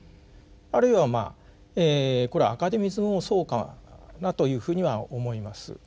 あるいはまあこれはアカデミズムもそうかなというふうには思います。